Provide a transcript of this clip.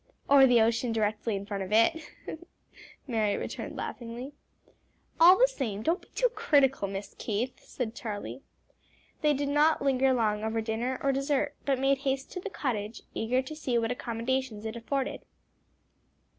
"Or the ocean directly in front of it," Mary returned laughingly. "All the same; don't be too critical, Miss Keith," said Charlie. They did not linger long over dinner or dessert, but made haste to the cottage, eager to see what accommodations it afforded.